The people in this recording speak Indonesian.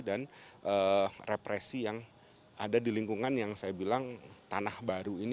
dan represi yang ada di lingkungan yang saya bilang tanah baru ini